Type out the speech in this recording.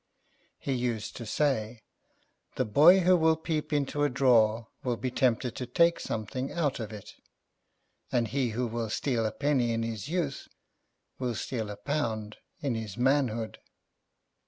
He used to say, "The boy who will peep into a drawer will be tempted to take something out of it, and he who will steal a penny in his youth will steal a pound in his manhood."